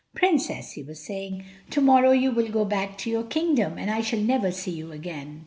"Princess," he was saying, "tomorrow you will go back to your kingdom, and I shall never see you again."